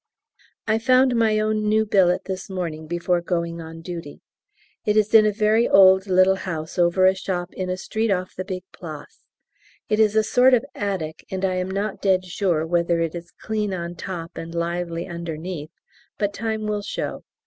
I found my own new billet this morning before going on duty; it is in a very old little house over a shop in a street off the big Place. It is a sort of attic, and I am not dead sure whether it is clean on top and lively underneath, but time will show.